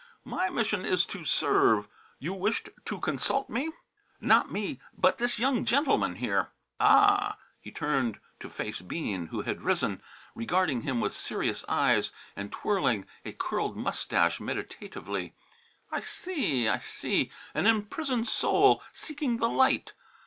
"My mission is to serve. You wished to consult me?" "Not me; but this young gentaman here " "Ah!" He turned to face Bean, who had risen, regarding him with serious eyes and twirling a curled moustache meditatively. "I see, I see! An imprisoned soul seeking the light!"